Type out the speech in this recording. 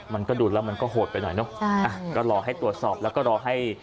มันก็ดูแล้วมันก็โหดไปหน่อยเนอะใช่อ่ะก็รอให้ตรวจสอบแล้วก็รอให้